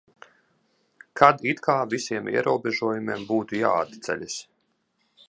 Kad it kā visiem ierobežojumiem būtu jāatceļas.